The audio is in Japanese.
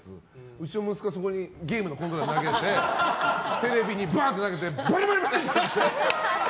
うちの息子、そこにゲームのコントローラー投げてテレビに投げてバリバリって。